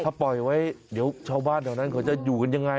ถ้าปล่อยไว้เดี๋ยวชาวบ้านแถวนั้นเขาจะอยู่กันยังไง